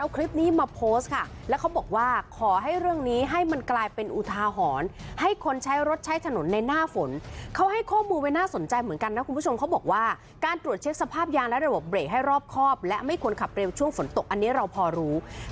คลิปนี้มาโพสต์ค่ะแล้วเขาบอกว่าขอให้เรื่องนี้ให้มันกลายเป็นอุทาหรณ์ให้คนใช้รถใช้ถนนในหน้าฝนเขาให้ข้อมูลไว้น่าสนใจเหมือนกันนะคุณผู้ชมเขาบอกว่าการตรวจเช็คสภาพยางและระบบเบรกให้รอบครอบและไม่ควรขับเร็วช่วงฝนตกอันนี้เราพอรู้